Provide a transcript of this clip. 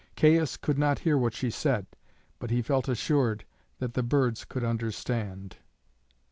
Caius could not hear what she said, but he felt assured that the birds could understand.